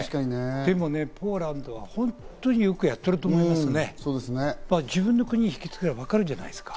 でもね、ポーランドは本当によくやってると思いますね。